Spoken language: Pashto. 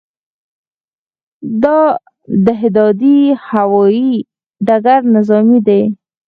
د دهدادي هوايي ډګر نظامي دی